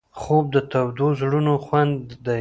خوب د تودو زړونو خوند دی